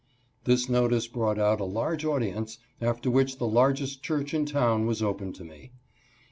This notice brought out a large audience, after which the largest church in town was open to me.